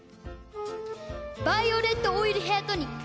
バイオレット・オイル・ヘアトニック。